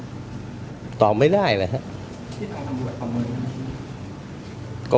ที่ต้องทำดูกับความมืดหรือเปล่าครับ